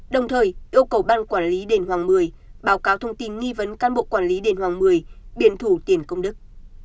đồng thời yêu cầu ban quản lý đền hoàng một mươi báo cáo thông tin nghi vấn can bộ quản lý đền hoàng một mươi biển thủ tiền công đức